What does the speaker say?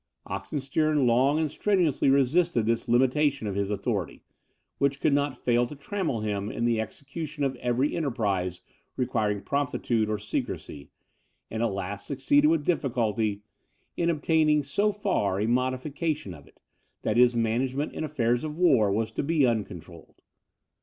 Oxenstiern long and strenuously resisted this limitation of his authority, which could not fail to trammel him in the execution of every enterprise requiring promptitude or secrecy, and at last succeeded, with difficulty, in obtaining so far a modification of it, that his management in affairs of war was to be uncontrolled.